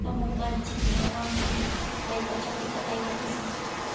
Shamunqanchiknawllami kay pachapita aywakushun.